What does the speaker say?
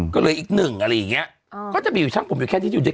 ก็เลยอีกหนึ่งอะไรอย่างเงี้ยก็จะมีอยู่ช่างผมอยู่แค่ที่อยู่ด้วย